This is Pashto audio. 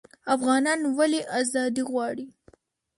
افغانان ولې ازادي غواړي؟